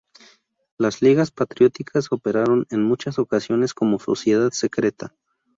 Las ligas patrióticas operaron en muchas ocasiones como sociedad secreta.